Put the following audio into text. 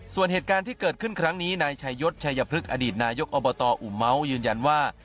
ส่วนเหตุการณ์ที่เกิดขึ้นครั้งนี้นายชายศชายพฤกษอดีตนายกอบตอุเมาส์ยืนยันว่า